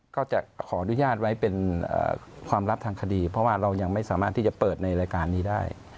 ก็จะขออนุญาตไว้เป็นความลับทางคดีเพราะว่าเรายังไม่สามารถที่จะเปิดในรายการนี้ได้